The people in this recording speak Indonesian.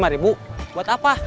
lima ribu buat apa